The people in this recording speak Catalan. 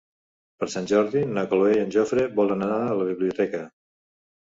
Per Sant Jordi na Cloè i en Jofre volen anar a la biblioteca.